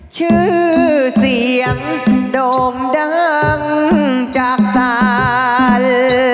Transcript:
ชื่อเสียงโด่งดังจากศาล